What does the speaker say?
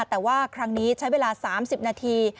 แต่ว่าครั้งนี้ใช้เวลา๓๐นาที